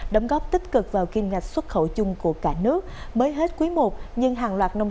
đóng góp tích cực vào kiêm ngạch xuất khẩu chung của cả nước mới hết quý i nhưng hàng loạt nông